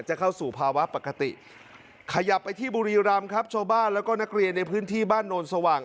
เข้าสู่ภาวะปกติขยับไปที่บุรีรำครับชาวบ้านแล้วก็นักเรียนในพื้นที่บ้านโนนสว่าง